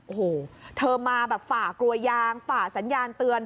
โอ้โหเธอมาแบบฝ่ากลัวยางฝ่าสัญญาณเตือน